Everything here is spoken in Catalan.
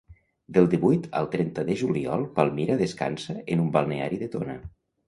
Del divuit al trenta de juliol Palmira descansa en un balneari de Tona.